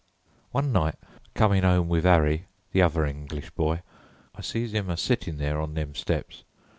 "One night a comin' 'ome with Arry, the other English boy, I sees 'im a sittin' there on them steps.